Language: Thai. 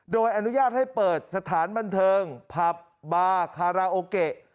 โดยอนุญาตให้เปิดสถานบันเทิงผับบาคาราโอเกะ